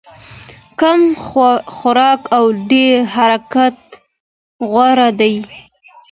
کم خوراک او ډېر حرکت غوره دی.